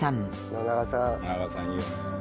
野永さんいいよね。